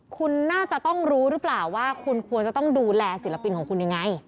คุณน่าจะต้องรู้หรือเปล่าว่าคุณควรจะต้องดูแลศิลปินของคุณยังไง